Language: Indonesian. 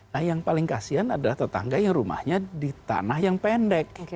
nah yang paling kasian adalah tetangga yang rumahnya di tanah yang pendek